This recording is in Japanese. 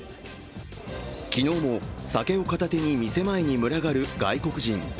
昨日も酒を片手に店前に群がる外国人。